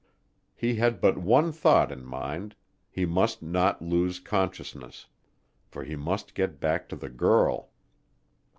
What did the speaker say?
He had but one thought in mind he must not lose consciousness, for he must get back to the girl.